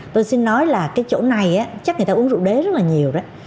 tôi xin nói là cái chỗ này chắc người ta uống rượu đế rất là nhiều đấy